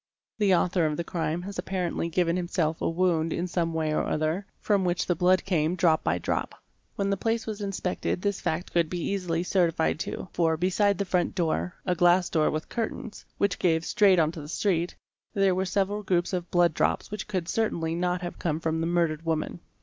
The author of the crime had apparently given himself a wound in some way or other, from which the blood came drop by drop. When the place was inspected this fact could be easily certified to, for, beside the front door (a glass door with curtains) which gave straight on to the street, there were several groups of blood drops which could certainly not have come from the murdered woman.